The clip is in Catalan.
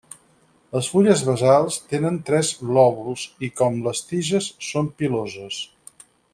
Les fulles basals tenen tres lòbuls i com les tiges són piloses.